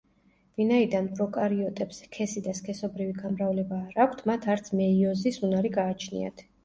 ვინაიდან პროკარიოტებს სქესი და სქესობრივი გამრავლება არ აქვთ, მათ არც მეიოზის უნარი გააჩნიათ.